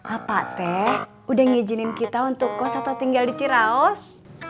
apa teh udah ngizinin kita untuk kos atau tinggal di ciraos